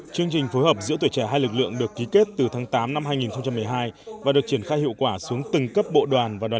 chương trình phối hợp giữa tuổi trẻ hai lực lượng được ký kết từ tháng tám năm hai nghìn một mươi hai và được triển khai hiệu quả xuống từng cấp bộ đoàn và đoàn